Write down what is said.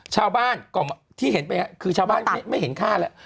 ชาวบ้านก็ที่เห็นไปคือชาวบ้านไม่เห็นค่าแล้ว